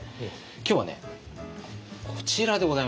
今日はねこちらでございます。